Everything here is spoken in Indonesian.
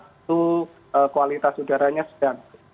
itu kualitas udaranya sedang